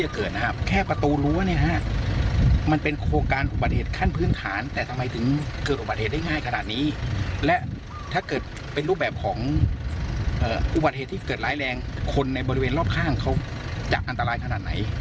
เขาจะอันตรายขนาดไหน